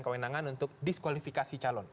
kewenangan untuk diskualifikasi calon